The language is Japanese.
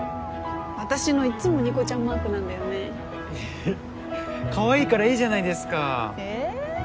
私のいっつもニコちゃんマークなんだよねかわいいからいいじゃないですかええ